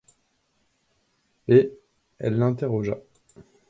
Et elle l'interrogea.